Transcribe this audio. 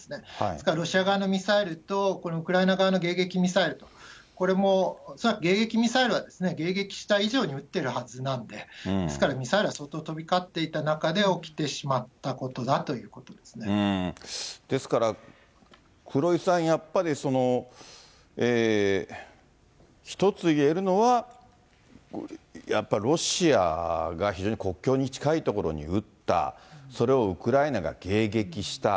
ですからロシア側のミサイルと、このウクライナ側の迎撃ミサイル、これも恐らく迎撃ミサイルは迎撃した以上に撃ってるはずなんで、ですから、ミサイルは相当飛び交っている中で起きてしまったことだというこですから、黒井さん、やっぱり一つ言えるのは、やっぱロシアが非常に国境に近い所に撃った、それをウクライナが迎撃した。